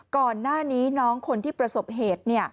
ก่อนหน้านี้น้องคนที่ประสบเหตุ